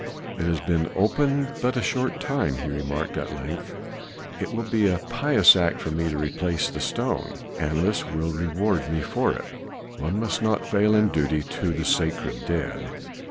"It has been opened but a short time," he remarked at length. "It will be a pious act for me to replace the stone; Anubis will reward me for it. One must not fail in duty to the sacred dead."